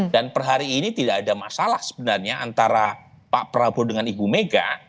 dan perhari ini tidak ada masalah sebenarnya antara pak prabowo dengan ibu mega